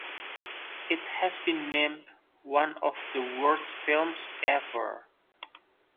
It has been named one of the worst films ever.